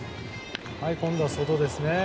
今度は外ですね。